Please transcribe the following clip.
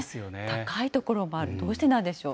高いところもある、どうしてなんでしょう？